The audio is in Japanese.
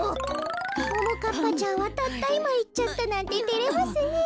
ももかっぱちゃんはたったいまいっちゃったなんててれますねえ。